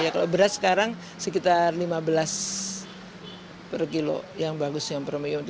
kalau berat sekarang sekitar lima belas per kilo yang bagus yang premium